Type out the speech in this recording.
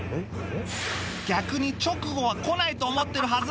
逆に直後は来ないと思ってるはず